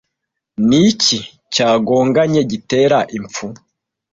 niki cyagonganye gitera impfu